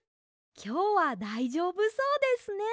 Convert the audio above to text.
きょうはだいじょうぶそうですね。